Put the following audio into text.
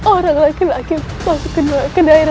orang laki laki masuk ke daerah persoalan negara